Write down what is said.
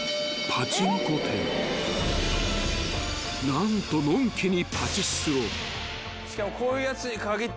［何とのんきに］